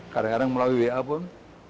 kadang kadang melalui wa pun